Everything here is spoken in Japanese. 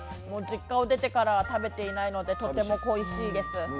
実家を出てから食べていないので、とても恋しいです。